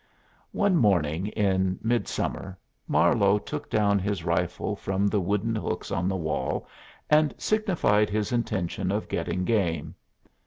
One morning in midsummer Marlowe took down his rifle from the wooden hooks on the wall and signified his intention of getting game.